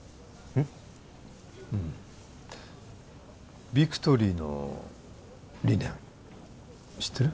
うんビクトリーの理念知ってる？